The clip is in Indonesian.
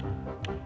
neneng udah masak